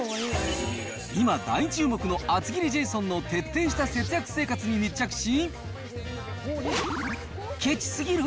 今、大注目の厚切りジェイソンの徹底した節約生活に密着し、ケチすぎる？